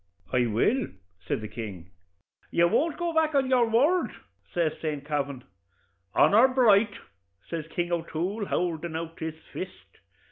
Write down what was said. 'I will,' says the king. 'You won't go back o' your word?' says St. Kavin. 'Honor bright!' says King O'Toole, howldin' out his fist.